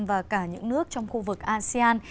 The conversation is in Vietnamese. và cả những nước trong khu vực asean